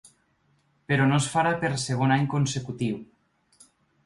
Però no es farà per segon any consecutiu.